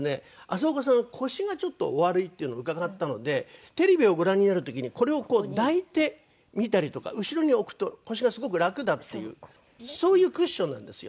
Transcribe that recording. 浅丘さんは腰がちょっとお悪いっていうのを伺ったのでテレビをご覧になる時にこれを抱いて見たりとか後ろに置くと腰がすごく楽だっていうそういうクッションなんですよ。